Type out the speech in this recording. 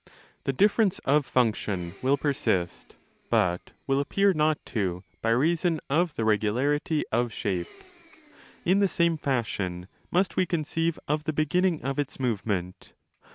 The difference of function will persist, but will appear not to by reason of the regularity of shape. In the same fashion must we conceive of the beginning of its movement.